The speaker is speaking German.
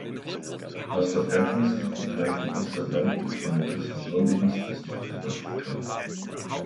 Das Verbreitungsgebiet reicht im Ostatlantik von den Küsten Norwegens bis nach Südafrika.